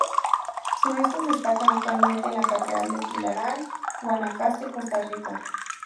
Sus restos descansan actualmente en la Catedral de Tilarán, Guanacaste, Costa Rica.